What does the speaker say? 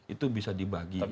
itu bisa dibagi